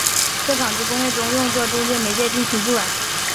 在纺织工业中用作中间媒介进行助染。